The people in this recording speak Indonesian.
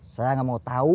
saya gak mau tau